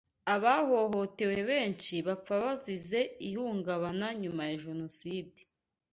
Abahohotewe benshi bapfa bazize ihungabana nyuma ya jenoside